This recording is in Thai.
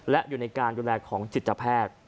และอยู่ในการแดนมันของจิตภาพ